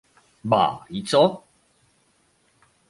"ba i co?"